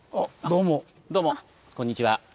どうもこんにちは。